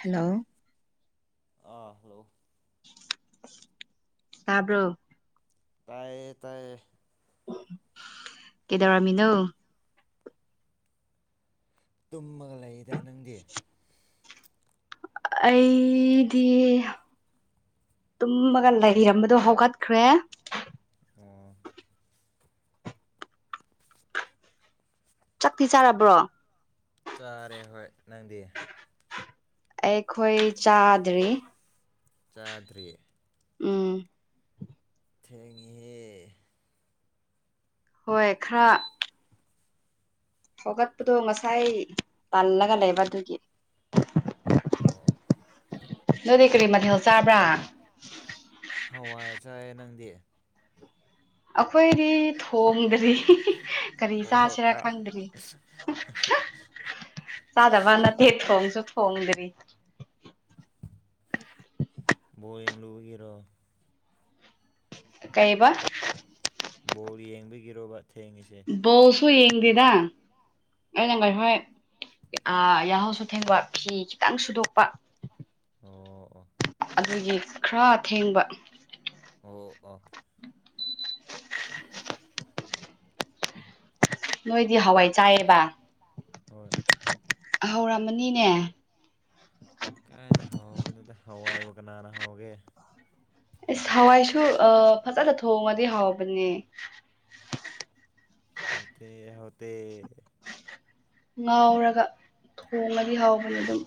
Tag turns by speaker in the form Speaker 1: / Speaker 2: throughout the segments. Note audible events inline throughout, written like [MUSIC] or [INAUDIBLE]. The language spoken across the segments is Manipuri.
Speaker 1: ꯍꯂꯣ
Speaker 2: ꯑꯥ ꯍꯜꯂꯣ
Speaker 1: ꯇꯥꯕ꯭ꯔꯣ
Speaker 2: ꯇꯥꯏꯌꯦ ꯇꯥꯏ
Speaker 1: ꯀꯗꯧꯔꯥꯃꯤꯅꯧ
Speaker 2: ꯇꯨꯝꯃꯒ ꯂꯩꯗ ꯅꯪꯗꯤ
Speaker 1: ꯑꯩꯗꯤ ꯇꯨꯝꯃꯒ ꯂꯩꯔꯝꯕꯗꯣ ꯍꯧꯒꯠꯈ꯭ꯔꯦ
Speaker 2: ꯑꯣ
Speaker 1: ꯆꯥꯛꯇꯤ ꯆꯥꯔꯕ꯭ꯔꯣ
Speaker 2: ꯆꯥꯔꯦ ꯍꯣꯏ ꯅꯪꯗꯤ
Speaker 1: ꯑꯩꯈꯣꯏ ꯆꯥꯗ꯭ꯔꯤ
Speaker 2: ꯆꯥꯗ꯭ꯔꯔꯤ
Speaker 1: ꯎꯝ
Speaker 2: ꯊꯦꯡꯍꯦ
Speaker 1: ꯍꯣꯏ ꯈꯔ ꯍꯧꯒꯠꯄꯗꯣ ꯉꯁꯥꯏ ꯇꯜꯂꯒ ꯂꯩꯕ ꯑꯗꯨꯒꯤ
Speaker 2: ꯑꯣ
Speaker 1: ꯅꯣꯏꯗꯤ ꯀꯔꯤ ꯃꯊꯦꯜ ꯆꯥꯕ꯭ꯔꯥ
Speaker 2: ꯍꯋꯥꯏ ꯆꯥꯏꯌꯦ ꯅꯪꯗꯤ
Speaker 1: ꯑꯩꯈꯣꯏꯗꯤ ꯊꯣꯡꯗ꯭ꯔꯤ ꯀꯔꯤ
Speaker 2: ꯑꯣ
Speaker 1: ꯆꯥꯁꯤꯔꯥ
Speaker 2: ꯀꯥ
Speaker 1: ꯆꯗꯕ ꯅ ꯊꯦꯠ ꯍꯣꯡꯪꯁꯨꯠ ꯍꯣꯡꯗ꯭ꯔꯤ
Speaker 2: ꯕꯣꯌꯦꯨ ꯒꯦꯔꯥ
Speaker 1: ꯀꯩꯕ
Speaker 2: ꯕꯣꯔꯜ ꯌꯦꯡꯕꯤꯒꯤꯔꯕ ꯊꯦꯡꯉꯁꯦ
Speaker 1: ꯌꯦꯡꯗꯗꯥ ꯑꯩꯅꯪ ꯉꯥꯏ ꯍꯣꯏ ꯌꯥꯍꯧꯁꯨ ꯊꯦꯡꯕ ꯐꯤ ꯈꯤꯇꯪ ꯁꯨꯗꯣꯛꯄ
Speaker 2: ꯑꯣ
Speaker 1: ꯑꯗꯨꯒꯤ ꯈꯔ ꯑꯊꯦꯡꯕ
Speaker 2: ꯑꯣ ꯑ
Speaker 1: ꯅꯣꯏꯗꯤ ꯍꯋꯥꯏ ꯆꯥꯏꯌꯦꯕ
Speaker 2: ꯍꯣꯏ
Speaker 1: ꯍꯧꯔꯝꯃꯅꯤꯅꯦ
Speaker 2: ꯀꯥꯏꯗ ꯍꯕꯅꯠꯇ ꯍꯋꯥꯏꯕ ꯀꯅꯥꯅ ꯍꯥꯎꯒꯦ
Speaker 1: ꯑꯦꯁ ꯍꯋꯥꯏꯁꯨ ꯑ ꯐꯖꯅ ꯊꯣꯡꯉꯗꯤ ꯍꯥꯎꯕꯅꯦ [UNINTELLIGIBLE]
Speaker 2: ꯍꯧꯥꯎꯊ ꯍꯧꯥꯎꯇ
Speaker 1: ꯉꯥꯎꯔꯒ ꯊꯣꯡꯉꯗꯤ ꯍꯥꯎꯕꯅꯦ ꯑꯗꯨꯝ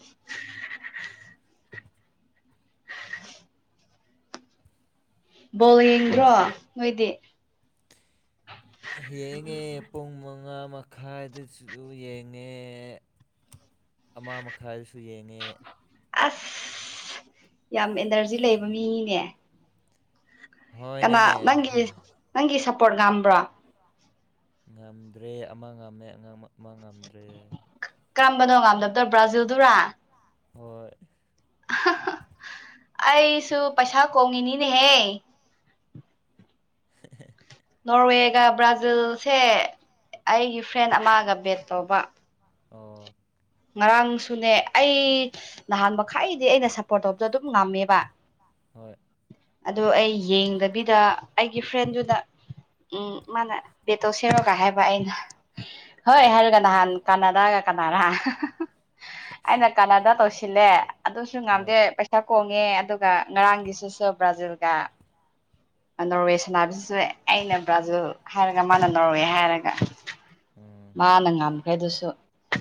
Speaker 1: ꯕꯣꯜ ꯌꯦꯡꯗ꯭ꯔꯣ ꯅꯣꯏꯗꯤ
Speaker 2: ꯌꯦꯉꯦ ꯃꯉꯥ ꯃꯈꯥꯏꯗꯁꯨ ꯌꯦꯡꯉꯦ ꯑꯃ ꯃꯈꯥꯏꯗꯁꯨ ꯌꯦꯡꯉꯦ
Speaker 1: ꯑꯁ ꯌꯥꯝ ꯑꯦꯅꯔꯖꯤ ꯂꯩꯕ ꯃꯤꯅꯦ ꯀꯅꯥ
Speaker 2: ꯍꯣꯏꯅꯦꯅꯦ
Speaker 1: ꯅꯪꯒꯤ ꯅꯪꯒꯤ ꯁꯞꯄꯣꯔꯠ ꯉꯝꯕ꯭ꯔꯣ
Speaker 2: ꯉꯝꯗ꯭ꯔꯦ ꯑꯃ ꯉꯝꯃꯦꯥꯡ ꯑꯃ ꯉꯝꯗ꯭ꯔꯦ
Speaker 1: ꯀꯔꯝꯕꯅꯣ ꯉꯥꯝꯗꯕꯇ ꯕ꯭ꯔꯥꯖꯤꯜꯗꯨꯔꯥ
Speaker 2: ꯍꯣꯏ
Speaker 1: ꯑꯩꯁꯨ ꯄꯩꯁꯥ ꯀꯣꯡꯉꯤꯅꯤꯅꯦꯍꯦ
Speaker 2: [INAUDIBLE]
Speaker 1: ꯅꯣꯔꯋꯦꯒ ꯕ꯭ꯔꯥꯖꯤꯜꯁꯦ ꯑꯩꯒꯤ ꯐ꯭ꯔꯦꯟ ꯑꯃꯒ ꯕꯦꯠ ꯇꯧꯕ
Speaker 2: ꯑꯣ
Speaker 1: ꯉꯔꯥꯡꯁꯨꯅꯦ ꯑꯩ ꯅꯍꯥꯟ ꯃꯈꯥꯏꯗꯤ ꯑꯩꯅ ꯁꯞꯄꯣꯔꯠ ꯇꯧꯕꯗ ꯑꯗꯨꯝ ꯉꯝꯃꯦꯕ
Speaker 2: ꯍꯣꯏ
Speaker 1: ꯑꯗꯣ ꯑꯩ ꯌꯦꯡꯗꯕꯤꯗ ꯑꯩꯒꯤ ꯐ꯭ꯔꯦꯟꯗꯨꯗ ꯎꯝ ꯃꯥꯅꯦ ꯕꯇꯣ ꯁꯦꯔꯣꯒ ꯍꯥꯏꯕ ꯑꯩꯅ ꯍꯣꯏ
Speaker 2: ꯑꯣ
Speaker 1: ꯍꯥꯏꯔꯒ ꯅꯍꯥꯟ ꯀꯅꯥꯗꯥꯒ ꯀꯅꯥꯅ ꯑꯩꯅ ꯀꯅꯥꯗꯥ ꯇꯧꯁꯤꯜꯂꯦ ꯑꯗꯨꯁꯨ
Speaker 2: ꯍꯣꯏ
Speaker 1: ꯉꯥꯝꯗꯦ ꯄꯩꯁꯥ ꯀꯣꯡꯉꯦ ꯑꯗꯨꯒ ꯉꯔꯥꯡꯒꯤꯁꯨ ꯁꯨ ꯭ꯔꯥꯖꯤꯜ ꯀ ꯅꯣꯔꯋꯦ ꯁꯥꯟꯅꯥꯕꯤꯁꯤꯁꯨ ꯑꯩꯅ ꯕ꯭ꯔꯥꯖꯤꯜ ꯍꯥꯏꯔꯒ ꯃꯥꯅ ꯅꯣꯔꯋꯦ ꯍꯥꯏꯔꯒ
Speaker 2: ꯎꯝ
Speaker 1: ꯃꯥꯅ ꯉꯝꯈꯩꯗꯨꯁꯨ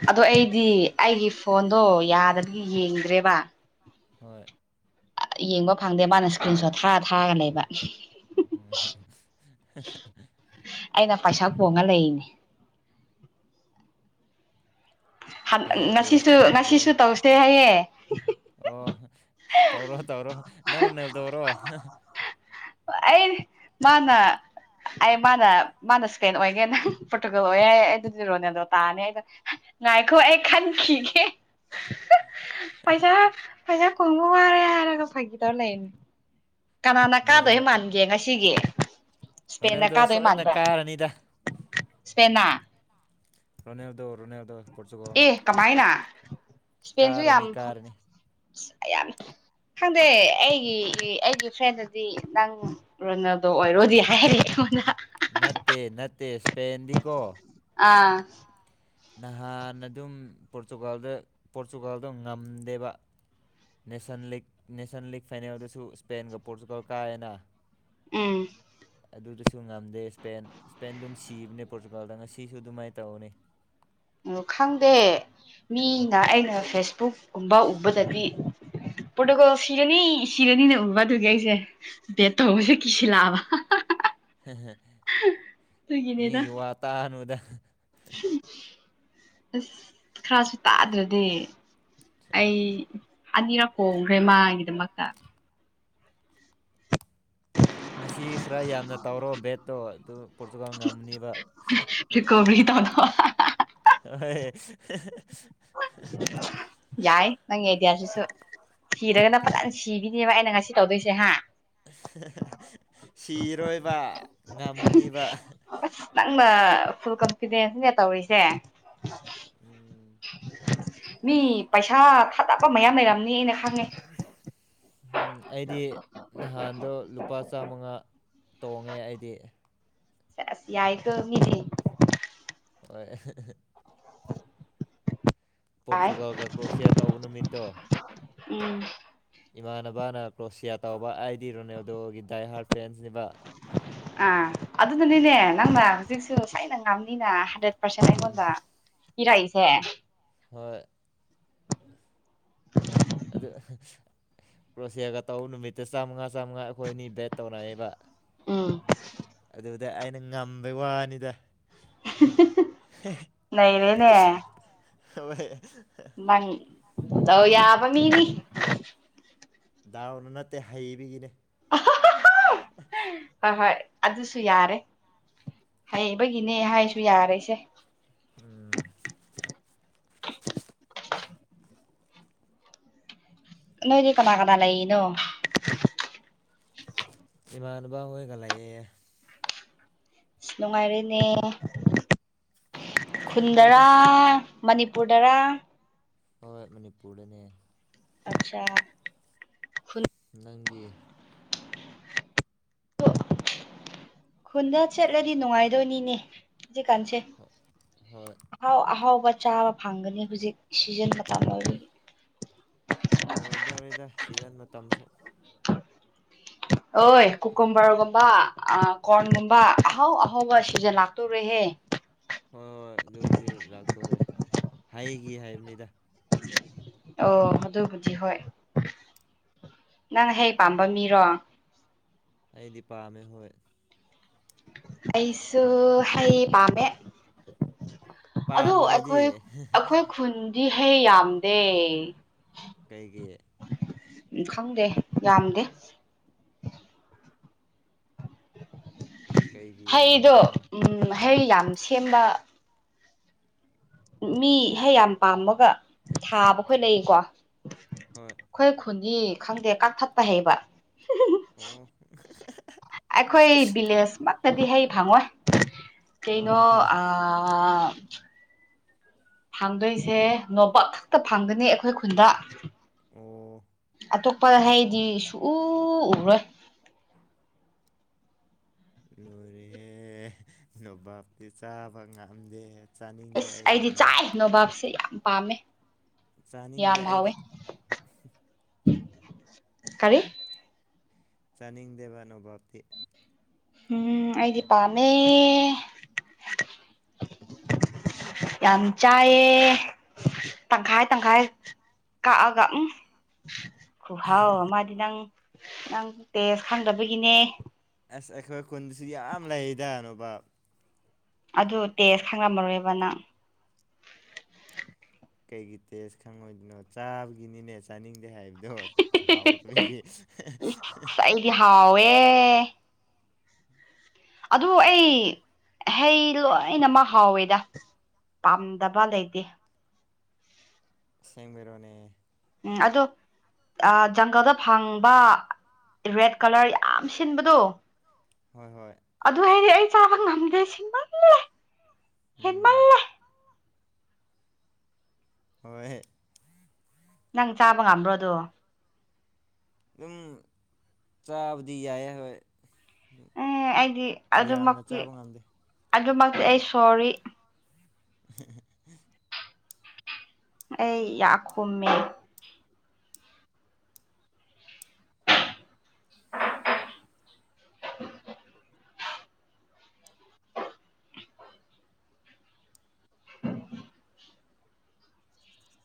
Speaker 1: ꯑꯣ ꯑꯩ ꯗꯤ ꯑꯩꯒꯤ ꯐꯣꯟꯗꯣ ꯌꯥꯗꯕꯒꯤ ꯌꯦꯡꯗ꯭ꯔꯦꯕ
Speaker 2: ꯍꯣꯏ
Speaker 1: ꯌꯦꯡꯕ ꯐꯪꯗꯦ ꯃꯥꯅ ꯏꯁꯀ꯭ꯔꯤꯟ ꯁꯣꯠ ꯊꯥꯔ ꯊꯥꯔꯒ ꯂꯩꯕ
Speaker 2: ꯎꯝ
Speaker 1: ꯑꯩꯅ ꯄꯩꯁꯥ ꯄꯣꯡꯉ ꯂꯩꯅꯤ
Speaker 2: ꯀꯌꯥ ꯀꯌꯥ
Speaker 1: ꯉꯁꯤꯁꯨ
Speaker 2: ꯇꯧꯅꯕ꯭ꯔꯣ
Speaker 1: ꯉꯁꯤꯁꯨ ꯇꯧꯁꯦ ꯍꯥꯏꯌꯦꯦ
Speaker 2: ꯇꯧ꯭ꯔꯣ ꯇꯧ꯭ꯔꯣ ꯅ ꯅꯕ ꯇꯧ꯭ꯔꯣ
Speaker 1: ꯑꯩꯅꯦ ꯃꯥꯅꯥ ꯑꯩ ꯃꯥꯅ ꯃꯥꯅ ꯏꯁꯄꯦꯟ ꯑꯣꯏꯒꯦ ꯅꯪ ꯄꯣꯔꯇꯨꯒꯜ ꯑꯣꯏꯔꯦ ꯑꯩ ꯑꯗꯨꯗꯤ ꯔꯣꯅꯦꯜꯗꯣ ꯇꯥꯔꯅꯤ ꯑꯩꯗꯣ ꯉꯥꯏꯈꯣ ꯑꯩ ꯈꯟꯈꯤꯒꯦ ꯄꯩꯁꯥ ꯄꯩꯁꯥ ꯈꯣꯡꯉꯣ ꯋꯥꯔꯦ ꯍꯥꯏꯔꯒ ꯐꯈꯤꯗꯧꯔ ꯂꯩꯅꯤ ꯀꯅꯥꯅ
Speaker 2: ꯔꯣꯅꯦꯜꯗꯣ
Speaker 1: ꯀꯥꯗꯣꯏ ꯃꯥꯟꯒꯦ ꯉꯁꯤꯒꯤ ꯁꯄꯦꯦꯟ
Speaker 2: ꯔꯣꯅꯦꯜꯗꯣ
Speaker 1: ꯀꯥꯗꯩ
Speaker 2: ꯁꯣꯏꯗꯅ
Speaker 1: ꯃꯥꯟꯕꯕ꯭ꯔ
Speaker 2: ꯀꯥꯔꯅꯤꯗ
Speaker 1: ꯁꯄꯦꯅꯥ
Speaker 2: ꯔꯣꯅꯦ ꯑꯦꯕꯗꯣ ꯔꯣꯅꯦ ꯑꯦꯕꯗꯣ ꯄꯨꯠꯆꯨꯀꯅ
Speaker 1: ꯁꯄꯦꯟꯖꯨ ꯌꯥꯝ ꯌꯥꯝ ꯈꯪꯗꯦ ꯑꯩꯒꯤ ꯑꯩꯒꯤ ꯐ꯭ꯔꯦꯟꯗꯗꯤ ꯅꯪ ꯔꯣꯅꯗꯣ ꯑꯣꯏꯔꯣꯗꯤ ꯍꯥꯏꯔꯉꯅ
Speaker 2: ꯅꯠꯇꯦ ꯅꯠꯇꯦ ꯁꯄꯦꯦꯟꯗꯤ ꯀꯣ
Speaker 1: ꯑꯥ
Speaker 2: ꯅꯍꯥꯟ ꯑꯗꯨꯝ ꯄꯣꯔꯇꯨꯒꯥꯜꯗ ꯄꯣꯔꯇꯨꯒꯥꯜꯗꯣ ꯉꯝꯗꯦꯕ ꯅꯁ ꯂꯤ ꯅꯦꯁꯟ ꯂꯤꯛ ꯐꯥꯏꯅꯦꯜ ꯑꯗꯨꯁꯨ ꯏꯁꯄꯦꯟꯒ ꯄꯣꯔꯇꯨꯒꯜ ꯀꯥ ꯍꯥꯏꯅ
Speaker 1: ꯎꯝ
Speaker 2: ꯑꯗꯨꯗꯁꯨ ꯉꯝꯗꯦ ꯏꯁꯄꯦꯟ ꯏꯁꯄꯦꯟ ꯑꯗꯨꯝ ꯁꯤꯕꯅꯦ ꯄꯣꯔꯇꯨꯒꯥꯜꯗ ꯉꯁꯤꯁꯨ ꯑꯗꯨꯃꯥꯏꯅ ꯇꯧꯅꯤ
Speaker 1: ꯎ ꯈꯪꯗꯦ ꯃꯤꯅ ꯑꯩꯅ ꯐꯦꯁꯕꯨꯛꯀꯨꯝꯕ ꯎꯕꯗꯗꯤ ꯄ꯭ꯔꯣꯇꯣꯀꯣꯜ ꯁꯤꯔꯅꯤ ꯁꯤꯔꯅꯤꯅ ꯎꯕ ꯑꯗꯨꯒꯤ ꯑꯩꯁꯦ ꯕꯦꯠ ꯇꯧꯕꯁꯦ ꯀꯤꯁꯤꯜꯂꯛꯑꯕ ꯑꯗꯨꯒꯤꯅꯦꯗ
Speaker 2: ꯃꯤꯒꯤ ꯋꯥꯇꯥꯅꯨꯗ
Speaker 1: ꯑꯁ ꯈ꯭ꯔꯁꯨ ꯇꯥꯗ꯭ꯔꯗꯤ ꯑꯩ ꯑꯅꯤꯔꯛꯄꯣ ꯒ꯭ꯔꯦꯃꯥꯒꯤꯗꯃꯛꯇ
Speaker 2: ꯉꯁꯤ ꯈꯔ ꯌꯥꯝꯅ ꯇꯥꯎꯔꯣ ꯕꯦꯠꯇꯣ ꯑꯗꯨ ꯄꯣꯔꯇꯨꯒꯥꯜ ꯉꯝꯅꯤꯕ
Speaker 1: ꯇꯗ
Speaker 2: ꯍ‌ꯣꯏ
Speaker 1: ꯌꯥꯏ ꯅꯪ ꯏꯗꯤꯌꯥꯁꯤꯁꯨ ꯁꯤꯔꯒꯅ ꯐꯖꯅ ꯁꯤꯈꯤꯅꯦꯕ ꯑꯩꯅ ꯉꯁꯤ ꯇꯧꯗꯣꯏꯁꯦ ꯍꯥ
Speaker 2: ꯁꯤꯔꯣꯏꯕ ꯉꯝꯅꯤꯕ
Speaker 1: ꯑꯁ ꯅꯪꯅ ꯐꯨꯜ ꯀꯟꯐꯤꯗꯦꯟꯁꯅꯦ ꯇꯧꯔꯤꯁꯦ
Speaker 2: ꯎꯝ
Speaker 1: ꯃꯤ ꯄꯩꯁꯥ ꯊꯥꯗꯕ ꯃꯌꯥꯝ ꯂꯩꯔꯝꯅꯤ ꯑꯩꯅ ꯈꯪꯉꯦ
Speaker 2: ꯑꯩꯗꯤ ꯅꯍꯥꯟꯗꯣ ꯂꯨꯄꯥ ꯆꯥꯃꯉꯥ ꯇꯣꯡꯉꯦ ꯑꯩꯗꯤ
Speaker 1: ꯁꯦꯁ ꯌꯥꯏꯀ‌ꯣ ꯃꯤꯗꯤ
Speaker 2: ꯍꯣꯏ
Speaker 1: [INAUDIBLE] ꯌꯥꯏ
Speaker 2: ꯄꯣ꯭ꯔꯇꯨꯒꯥꯜꯒ ꯀ꯭ꯔꯣꯁꯤꯌꯥ ꯇꯧꯕ ꯅꯨꯃꯤꯠꯇꯣ
Speaker 1: ꯎꯝ
Speaker 2: ꯏꯃꯥꯟꯅꯕ ꯕꯥꯅ ꯀ꯭ꯔꯣꯁꯤꯌꯥ ꯇꯧꯕ ꯑꯥꯏ ꯗꯤ ꯔꯣꯅꯦꯜꯗꯣꯒꯤ ꯗꯥꯏ ꯍꯥꯔ ꯐꯦꯟꯁꯅꯤꯕ
Speaker 1: ꯑꯥ ꯑꯗꯨꯅꯅꯤꯅꯦ ꯅꯪꯅ ꯍꯧꯖꯤꯛꯁꯨ ꯑꯩꯅ ꯉꯝꯅꯤꯅ ꯍꯟꯗ ꯄ꯭ꯔꯁꯟ ꯑꯩ
Speaker 2: ꯎꯝ
Speaker 1: ꯉꯣꯟꯗꯥ ꯄꯤꯔꯛꯏꯁꯦ
Speaker 2: ꯍꯣꯏ
Speaker 1: [INAUDIBLE]
Speaker 2: ꯑꯗꯨ ꯄ꯭ꯔꯣꯁꯦꯒ ꯇꯧ ꯅꯨꯃꯤꯠꯇ ꯆꯥꯝꯃꯉꯥ ꯆꯥꯝꯃꯉꯥ ꯑꯩꯈꯣꯏ ꯑꯅꯤ ꯕꯦꯠ ꯇꯧꯔꯛꯑꯦꯕ
Speaker 1: ꯎꯝ
Speaker 2: ꯑꯗꯨꯗ ꯑꯩꯅ ꯉꯝꯕꯩ ꯋꯥꯅꯤꯗ
Speaker 1: ꯅꯩꯔꯦ ꯅꯦ
Speaker 2: ꯍꯣꯏ
Speaker 1: ꯗꯥꯎ ꯌꯥꯕ ꯃꯤꯗꯤ
Speaker 2: ꯗꯥꯎꯅ ꯅꯠꯇꯦ ꯍꯩꯕꯤꯒꯤꯅꯦ
Speaker 1: ꯍꯣꯏ ꯍꯣꯏ ꯑꯗꯨꯁꯨ ꯌꯥꯔꯦ ꯍꯩꯕꯒꯤꯅꯦ ꯍꯥꯏꯁꯨ ꯌꯥꯔꯁꯦ
Speaker 2: ꯎꯝ
Speaker 1: ꯅꯣꯏꯗꯤ ꯀꯅꯥ ꯀꯅꯥ ꯂꯩꯅꯣ
Speaker 2: ꯏꯃꯥꯟꯅꯕ ꯑꯣꯏꯒ ꯂꯌꯦ
Speaker 1: ꯑꯁ ꯅꯨꯡꯉꯥꯏꯔꯦꯅꯦ ꯈꯨꯟꯗꯔꯥ
Speaker 2: ꯈꯪꯗ꯭ꯔꯦꯗ
Speaker 1: ꯃꯅꯤꯄꯨ꯭ꯔꯗꯔꯥ
Speaker 2: ꯍꯣꯏ ꯃꯅꯤꯄꯨ꯭ꯔꯗꯅꯦ
Speaker 1: ꯑꯆꯥ
Speaker 2: ꯅꯪꯗꯤ
Speaker 1: ꯈꯨꯟꯗ ꯆꯠꯂꯗꯤ ꯅꯨꯡꯉꯥꯏꯗꯣꯏꯅꯤꯅꯦ ꯖꯤꯀꯥꯟꯁꯦ
Speaker 2: ꯍꯣꯏ
Speaker 1: ꯑꯍꯥꯎ ꯑꯍꯥꯎꯕ ꯆꯥꯕ ꯐꯪꯒꯅꯤ ꯍꯧꯖꯤꯛ ꯁꯤꯖꯟ ꯃꯥꯇꯝ ꯑꯣꯏꯕꯥꯒꯤ
Speaker 2: ꯂꯣꯏꯗꯧꯔꯦꯗ ꯁꯤꯖꯟ ꯃꯇꯝꯁꯨ
Speaker 1: [INAUDIBLE] ꯑꯣꯏ ꯀꯣꯀꯣꯝꯕ꯭ꯔꯒꯨꯝꯕ ꯀꯣꯔꯟꯒꯨꯝꯕ ꯑꯍꯥꯎ ꯑꯍꯥꯎꯕ ꯁꯤꯖꯟ ꯂꯥꯛꯇꯣꯔꯦꯍꯦ
Speaker 2: ꯍꯣꯏ ꯍꯣꯏ ꯑꯗꯨꯕꯨꯗꯤ ꯂꯥꯛꯇꯣꯔꯦ ꯍꯥꯏꯈꯤ ꯍꯥꯏꯕꯅꯤꯗ
Speaker 1: ꯑꯣ ꯃꯗꯨꯣꯏꯕꯨꯗꯤ ꯍꯣꯏ ꯅꯪ ꯍꯦꯛ ꯄꯥꯝꯕ ꯃꯤꯔꯣ
Speaker 2: ꯃꯤꯗꯤ ꯄꯥꯝꯃꯦ ꯍꯣꯏ
Speaker 1: ꯑꯩꯩꯁꯨ ꯍꯩ ꯄꯥꯃꯦ ꯑꯗꯨ ꯑꯩꯈꯣꯏ
Speaker 2: ꯄꯥꯝꯗ꯭ꯔꯗꯤ
Speaker 1: ꯑꯩꯈꯣꯏ ꯈꯨꯟꯗꯤ ꯍꯩ ꯌꯥꯝꯗꯦ
Speaker 2: ꯀꯩꯒꯤ
Speaker 1: ꯎꯝ ꯈꯪꯗꯦ ꯌꯥꯝꯗꯦ
Speaker 2: ꯀꯩꯒꯤ
Speaker 1: ꯍꯩꯗꯣ
Speaker 2: ꯌꯥꯝꯗꯕꯅꯣ
Speaker 1: ꯎꯝ ꯍꯩ ꯌꯥꯝ ꯁꯦꯝꯕ ꯃꯤꯍꯦꯛ ꯌꯥꯝ ꯄꯥꯝꯃꯒ ꯊꯥꯕ ꯈꯣꯏ ꯂꯩꯀꯣ
Speaker 2: ꯍꯣꯏ
Speaker 1: ꯑꯩꯈꯣꯏ ꯈꯨꯟꯅꯤ ꯈꯪꯗꯦ ꯀꯛꯊꯄ ꯍꯩꯕ
Speaker 2: ꯑꯣ
Speaker 1: ꯑꯩꯈꯣꯏ ꯚꯤꯂꯦꯖ ꯃꯛꯇꯗꯤ ꯍꯩ ꯐꯪꯉꯣꯏ ꯀꯩꯅꯣ
Speaker 2: ꯑꯣ
Speaker 1: ꯑ ꯐꯥꯡꯗꯣꯏꯁꯦ ꯅꯣꯄꯥꯛ ꯈꯛꯇ ꯐꯥꯡꯒꯅꯤ ꯑꯩꯈꯣꯏ ꯈꯨꯟꯗ
Speaker 2: ꯑꯣ
Speaker 1: ꯑꯇꯣꯞꯄ ꯍꯥꯏꯗꯤ ꯁꯨ ꯎꯔꯣꯏ
Speaker 2: ꯂꯣꯏꯔꯦꯍꯦ ꯅꯣꯚꯞꯇꯤ ꯆꯥꯕ ꯉꯥꯝꯗꯦ
Speaker 1: ꯏꯁꯁ ꯑꯩꯗꯤ ꯆꯥꯏ ꯅꯣꯕꯥꯞꯁꯦ ꯌꯥꯝ ꯄꯥꯝꯃꯦ
Speaker 2: ꯆꯥꯅꯤꯡꯗꯦ ꯑꯩꯗꯤ
Speaker 1: ꯀꯥꯔꯤ
Speaker 2: ꯆꯥꯅꯤꯡꯗꯦꯕ ꯑꯅꯣꯚꯕꯇꯤ
Speaker 1: ꯎꯝ ꯑꯩꯗꯤ ꯄꯥꯝꯃꯦ ꯌꯥꯝ ꯆꯥꯏꯌꯦ ꯇꯪꯈꯥꯏ ꯇꯪꯈꯥꯏ ꯀꯛꯑꯒ ꯎꯝ ꯈꯨꯍꯥꯎ ꯃꯥꯗꯤ ꯅꯪ ꯅꯪ ꯇꯦꯁ ꯈꯪꯗꯕꯒꯤꯅꯦ
Speaker 2: ꯑꯁ ꯑꯩꯈꯣꯏ ꯈꯨꯟꯁꯨ ꯌꯥꯝ ꯂꯩꯗꯅꯣꯕ
Speaker 1: ꯑꯗꯨ ꯇꯦꯖ ꯈꯪꯂꯝꯝꯃꯔꯣꯏꯕ ꯅꯪ
Speaker 2: ꯀꯩꯒꯤ ꯇꯦꯁ ꯈꯪꯉꯣꯏꯗꯣꯏꯅꯣ ꯆꯥꯕꯒꯤꯅꯤꯅꯦ ꯆꯥꯅꯤꯡ ꯍꯥꯏꯕꯗꯣ ꯆꯥꯎ ꯇꯒꯤ
Speaker 1: ꯑꯁ ꯑꯩꯗꯤ ꯍꯥꯎꯋꯦ ꯑꯗꯨ ꯑꯩ ꯍꯩ ꯂꯣꯏꯅꯃꯛ ꯍꯥꯎꯋꯦꯗ ꯄꯥꯝꯗꯕ ꯂꯩꯇꯦ
Speaker 2: ꯑꯁꯦꯡꯕꯩꯔꯣꯅꯦ
Speaker 1: ꯎꯝ ꯑꯗꯣ ꯖꯪꯒꯜꯗ ꯐꯪꯕ ꯔꯦꯠ ꯀꯂꯔ ꯌꯥꯝ ꯁꯤꯟꯕꯗꯣ
Speaker 2: ꯍꯣꯏ ꯍꯣꯏ
Speaker 1: ꯑꯗꯨ ꯍꯥꯏꯗꯤ ꯑꯩ ꯆꯥꯕ ꯉꯝꯗꯦ ꯁꯤꯟꯃꯜꯂꯦ
Speaker 2: ꯎꯝ
Speaker 1: ꯍꯦꯃꯜꯂꯦ
Speaker 2: ꯍꯣꯏ
Speaker 1: ꯅꯪ ꯆꯥꯕ ꯉꯥꯝꯕ꯭ꯔꯣꯗꯣ
Speaker 2: ꯑꯗꯨꯝ ꯆꯥꯕꯗꯤ ꯌꯥꯏꯑꯦ ꯍꯣꯏ
Speaker 1: ꯎ ꯑꯩꯗꯤ
Speaker 2: ꯌꯥꯝꯅ
Speaker 1: ꯑꯗꯨꯃꯛꯇꯤ
Speaker 2: ꯆꯥꯕ ꯉꯝꯗꯦ
Speaker 1: ꯑꯗꯨꯃꯛꯇꯤ ꯑꯩ ꯁꯣꯔꯤ ꯑꯩ ꯌꯥꯈꯨꯝꯃꯦ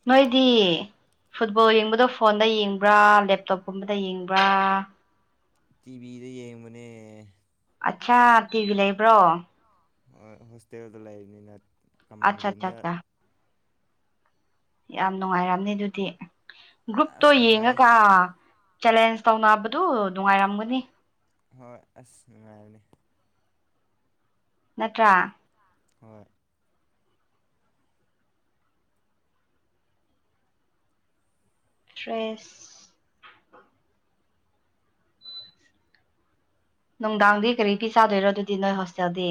Speaker 1: ꯃꯣꯏꯗꯤ ꯐꯨꯠꯕꯣꯜ ꯌꯦꯡꯕꯗꯣ ꯐꯣꯟꯗ ꯌꯦꯡꯕ꯭ꯔꯥ ꯂꯦꯞꯇꯣꯞꯀꯨꯝꯕꯗ ꯌꯦꯡꯕ꯭ꯔꯥ
Speaker 2: ꯇꯤꯚꯤꯗ ꯌꯦꯡꯕꯅꯦ
Speaker 1: ꯑꯠꯆꯥꯥ ꯇꯤꯚꯤ ꯂꯩꯕ꯭ꯔꯣ
Speaker 2: ꯍꯣꯁꯇꯦꯜꯗ ꯂꯩꯕꯅꯤꯅ ꯀꯃꯟ
Speaker 1: ꯑꯠꯆꯥ ꯑꯠꯆꯥ
Speaker 2: ꯔꯨꯝꯗ
Speaker 1: ꯑꯠꯆꯥ ꯌꯥꯝ ꯅꯨꯡꯉꯥꯏꯔꯝꯅꯦ ꯑꯗꯨꯗꯤ ꯒ꯭ꯔꯨꯞꯇꯣ
Speaker 2: ꯑꯁ ꯅꯨꯡꯉꯥꯏ
Speaker 1: ꯌꯦꯡꯉꯀ ꯆꯦꯂꯦꯟꯁ ꯇꯧꯅꯕꯗꯨ ꯅꯨꯡꯉꯥꯏꯔꯝꯒꯅꯤ
Speaker 2: ꯍꯣꯏ ꯑꯁ ꯅꯨꯡꯉꯥꯏꯔꯅꯤ
Speaker 1: ꯅꯠꯇ꯭ꯔꯥ
Speaker 2: ꯍꯣꯏ
Speaker 1: ꯐ꯭ꯔꯦꯁ ꯅꯨꯡꯗꯥꯡꯗꯤ ꯀꯔꯤ ꯄꯤ ꯆꯥꯗꯣꯏꯔꯣ ꯑꯗꯨꯗꯤ ꯅꯣꯏ ꯍꯣꯁꯇꯦꯜꯗꯤ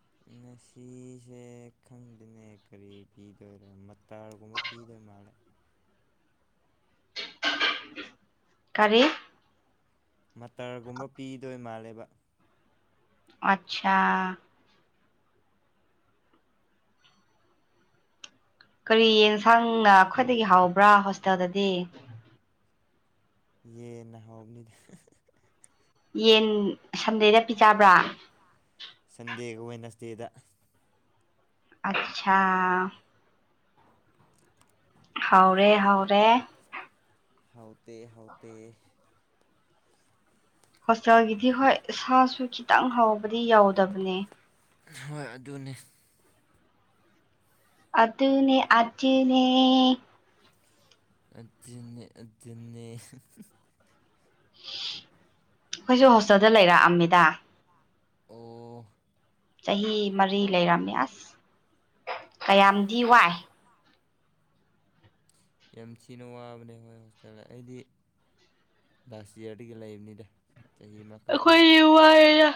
Speaker 1: [INAUDIBLE]
Speaker 2: ꯑꯁꯤꯁꯦ ꯈꯪꯗꯦꯅꯦ ꯀꯔꯤ ꯄꯤꯗꯣꯏꯔꯣ ꯃꯇꯔꯒꯨꯝꯕ ꯄꯤꯗꯣꯏ ꯃꯥꯜꯂꯦ
Speaker 1: [INAUDIBLE] ꯀꯔꯤ
Speaker 2: ꯃꯇꯔꯒꯨꯝꯕ ꯄꯤꯗꯣꯏ ꯃꯥꯜꯂꯦꯕ
Speaker 1: ꯑꯆꯥ ꯀꯔꯤ ꯌꯦꯟꯁꯥꯡꯅ ꯑꯩꯈꯣꯏꯗꯒꯤ ꯍꯥꯎꯕ꯭ꯔꯥ ꯍꯣꯁꯇꯦꯜꯗꯗꯤ
Speaker 2: ꯌꯦꯟꯅ ꯍꯥꯎꯕꯅꯤꯗ
Speaker 1: ꯌꯦꯟ ꯁꯟꯗꯦꯗ ꯄꯤꯖꯕ꯭ꯔꯥ
Speaker 2: ꯁꯟꯗꯦ ꯋꯥꯅꯥꯗꯦꯗ
Speaker 1: ꯑꯆꯥ ꯍꯥꯎꯔꯦ ꯍꯥꯎꯔꯦ
Speaker 2: ꯍꯥꯎꯇꯦ ꯍꯥꯎꯇꯦ
Speaker 1: ꯍꯣꯁꯇꯦꯜꯒꯤꯗꯤ ꯍꯣꯏ ꯏꯁꯥꯁꯨ ꯈꯤꯇꯪ ꯍꯥꯎꯕꯗꯤ ꯌꯥꯎꯗꯕꯅꯦ
Speaker 2: ꯍꯣꯏ ꯑꯗꯨꯅꯤ
Speaker 1: ꯑꯗꯨ ꯑꯗꯨꯅꯦ ꯑꯖꯅꯦ
Speaker 2: ꯑꯗꯨꯅꯦ ꯑꯗꯨꯅꯦ
Speaker 1: ꯑꯩꯈꯣꯏꯁꯨ ꯍꯣꯁꯇꯦꯜꯗ ꯂꯩꯔꯛꯑꯝꯃꯤꯗ
Speaker 2: ꯑꯣ
Speaker 1: ꯆꯍꯤ ꯃꯔꯤ ꯂꯩꯔꯝꯃꯦ ꯑꯁ ꯀꯌꯥꯝꯗꯤ ꯋꯥꯏ
Speaker 2: ꯌꯥꯝ ꯊꯤꯅ ꯋꯥꯕꯅꯦ ꯍꯣꯏ ꯍꯣꯁꯇꯦꯜꯗ ꯑꯩꯗꯤ ꯂꯁ ꯍꯗꯤꯒ ꯂꯩꯕꯅꯤꯗ ꯆꯍꯤ ꯑꯃꯈꯛꯇꯪ
Speaker 1: ꯑꯩꯈꯣꯏ ꯋꯥ ꯑꯦ ꯌꯥ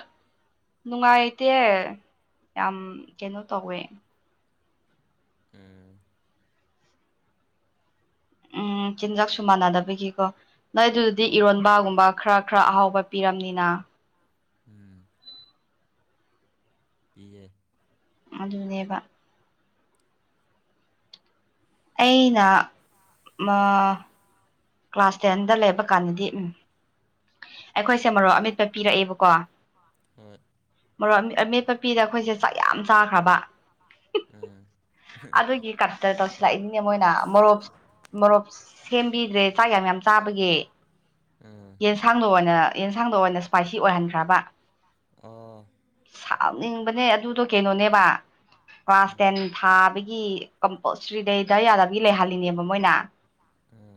Speaker 1: ꯅꯨꯡꯉꯥꯏꯇꯦ ꯌꯥꯝ ꯀꯩꯅꯣ ꯇꯧꯋꯦ
Speaker 2: ꯎꯝ
Speaker 1: ꯎꯝ ꯆꯤꯟꯖꯥꯛꯁꯨ ꯃꯥꯟꯅꯗꯕꯒꯤꯀꯣ ꯅꯣꯏ ꯑꯗꯨꯗꯤ
Speaker 2: ꯍꯣꯏ
Speaker 1: ꯏꯔꯣꯟꯕꯒꯨꯝꯕ ꯈꯔ ꯈꯔ ꯑꯍꯥꯎꯕ ꯄꯤꯔꯝꯅꯤꯅ
Speaker 2: ꯎꯝ ꯑꯦꯌꯦ
Speaker 1: ꯑꯗꯨꯅꯦꯕ ꯑꯩꯅ ꯀ꯭ꯂꯥꯁ ꯇꯦꯟꯗ ꯂꯩꯕ ꯀꯥꯟꯗꯗꯤ ꯎꯝ ꯑꯩꯈꯣꯏꯁꯦ ꯃꯔꯣꯛ ꯑꯃꯤꯠꯄ ꯄꯤꯔꯛꯑꯦꯕꯀꯣ
Speaker 2: ꯎꯝ
Speaker 1: ꯃꯔꯣꯏ ꯑꯃꯦꯠꯄꯄꯤꯗ ꯑꯩꯈꯣꯏꯁꯦ ꯆꯥꯛ ꯌꯥꯝ ꯆꯥꯈ꯭ꯔꯕ
Speaker 2: ꯎꯝ
Speaker 1: ꯑꯗꯨꯒꯤ ꯀꯛꯇ ꯇꯧ ꯂꯥꯛꯏꯗꯤꯅꯦ ꯃꯣꯏꯅ ꯃꯣꯔꯣꯛ ꯃꯣꯔꯣꯛ ꯁꯦꯝꯕꯤꯗ꯭ꯔꯦ ꯆꯥꯛ ꯌꯥꯝ ꯌꯥꯝ ꯆꯥꯕꯒꯤꯦ
Speaker 2: ꯎꯝ
Speaker 1: ꯌꯦꯟꯁꯥꯡꯗ ꯑꯣꯏꯅ ꯑꯦꯟꯁꯥꯡꯗꯣ ꯑꯣꯏꯅ ꯏꯁꯄꯥꯏꯁꯤ ꯑꯣꯏꯍꯟꯈ꯭ꯔꯕ
Speaker 2: ꯑꯥ
Speaker 1: ꯁꯥꯎꯅꯤꯡꯕꯅꯦ ꯑꯗꯨꯗꯣ ꯀꯩꯅꯣꯅꯦꯕ ꯀ꯭ꯂꯥꯁ
Speaker 2: ꯎꯝ
Speaker 1: ꯇꯦꯟ ꯊꯥꯕꯒꯤ ꯀꯝꯄꯜꯁꯔꯤꯗꯗ ꯌꯥꯗꯕꯒꯤ ꯂꯩꯍꯜꯂꯤꯅꯦꯕ ꯃꯣꯏꯅ
Speaker 2: ꯎꯝ